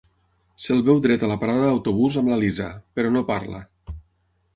Se'l veu dret a la parada d'autobús amb la Lisa, però no parla.,